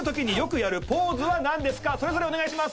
それぞれお願いします。